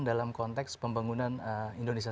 dalam konteks pembangunan indonesia